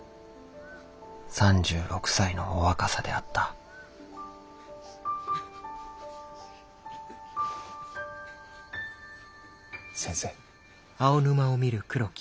３６歳のお若さであった先生。